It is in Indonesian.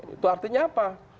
itu artinya apa